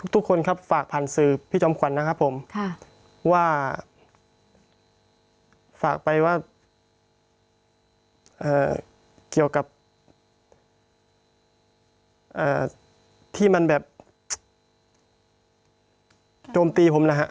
ทุกคนครับฝากผ่านสื่อพี่จอมขวัญนะครับผมว่าฝากไปว่าเกี่ยวกับที่มันแบบโจมตีผมนะฮะ